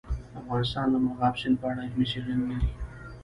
افغانستان د مورغاب سیند په اړه علمي څېړنې لري.